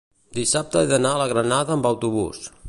dissabte he d'anar a la Granada amb autobús.